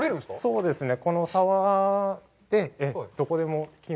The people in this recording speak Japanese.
そうですね。